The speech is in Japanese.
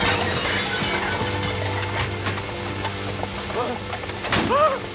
あっああっ！